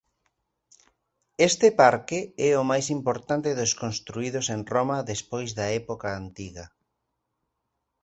Este parque é o máis importante dos construídos en Roma despois da época antiga.